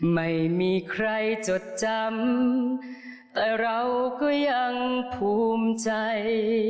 ไม่มีใครจดจำแต่เราก็ยังภูมิใจ